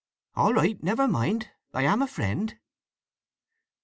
"All right. Never mind. I am a friend."